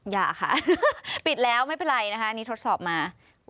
อย่าค่ะปิดแล้วไม่เป็นไรนะคะอันนี้ทดสอบมา